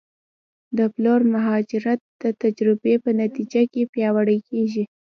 د پلور مهارت د تجربې په نتیجه کې پیاوړی کېږي.